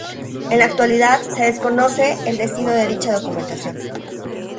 En la actualidad se desconoce el destino de dicha documentación.